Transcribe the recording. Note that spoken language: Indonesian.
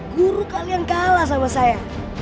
guru kalian kalah sama saya